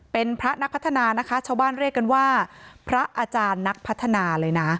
เป็นพระนักพัฒนานะคะชาวบ้านเรียกกันว่าพระอาจารย์นักพัฒนาเลยนะ